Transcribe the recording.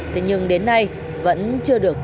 thế nhưng đến nay vẫn chưa được